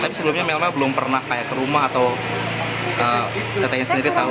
tapi sebelumnya melma belum pernah kayak ke rumah atau tetangganya sendiri tahu